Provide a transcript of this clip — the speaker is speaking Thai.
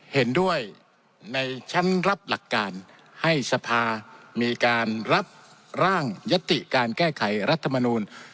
เห็นด้วยในชั้นรับหลักการให้สภามีการรับร่างยติการแก้ไขรัฐมนูล